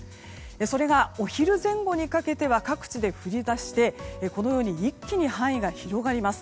それがお昼前後にかけては各地で降り出して一気に範囲が広がります。